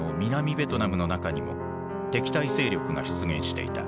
ベトナムの中にも敵対勢力が出現していた。